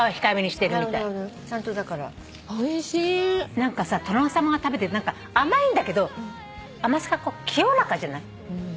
何かさ殿様が食べてる甘いんだけど甘さが清らかじゃない？